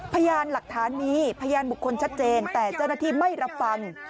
พยานหลักฐานมีพยานบุคคลชัดเจนแต่เจ้าหน้าที่ไม่รับฟัง